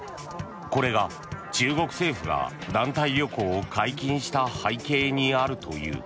これが中国政府が団体旅行を解禁した背景にあるという。